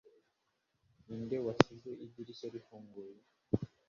ninde wasize idirishya rifunguye